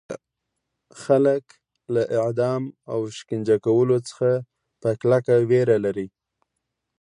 خلک له اعدام او شکنجه کولو څخه په کلکه ویره لري.